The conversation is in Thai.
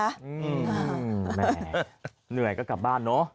แหมเหนื่อยก็กลับบ้านเนอะ